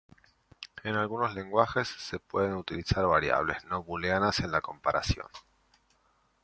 En algunos lenguajes, se pueden utilizar variables no booleanas en la comparación.